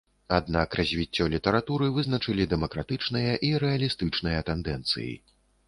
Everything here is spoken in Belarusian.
Аднак развіццё літаратуры вызначалі дэмакратычныя і рэалістычныя тэндэнцыі.